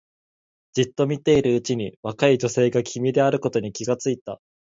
じっと見ているうちに若い女性が君であることに気がついた